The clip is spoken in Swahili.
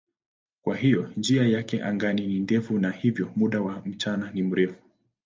Kwa hiyo njia yake angani ni ndefu na hivyo muda wa mchana ni mrefu.